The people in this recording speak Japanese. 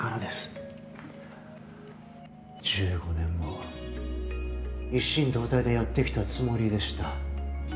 １５年も一心同体でやってきたつもりでした。